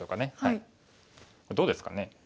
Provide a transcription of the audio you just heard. どうですかね。